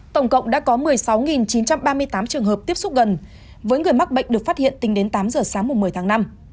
tổng cộng đã có một mươi sáu chín trăm ba mươi tám trường hợp tiếp xúc gần với người mắc bệnh được phát hiện tính đến tám giờ sáng một mươi tháng năm